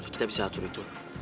kita bisa atur itu